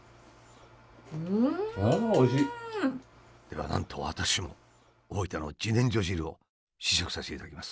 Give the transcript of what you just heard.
ではなんと私も大分の自然薯汁を試食させていただきます。